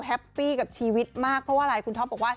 แฮปปี้กับชีวิตมากเพราะว่าอะไรคุณท็อปบอกว่า